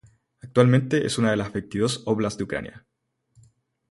Actualmente es una de las veintidós óblast de Ucrania.